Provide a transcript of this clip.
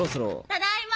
ただいま。